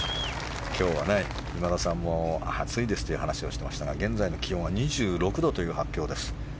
今田さんも暑いという話をしていましたが現在の気温は２６度という発表です。